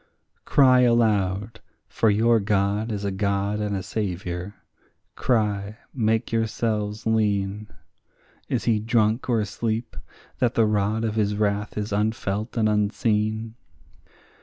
Cry aloud; for your God is a God and a Saviour; cry, make yourselves lean; Is he drunk or asleep, that the rod of his wrath is unfelt and unseen?